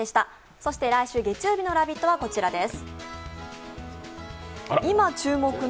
そして来週月曜日の「ラヴィット！」はこちらです。